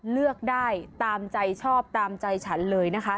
เลือกได้ตามใจชอบตามใจฉันเลยนะคะ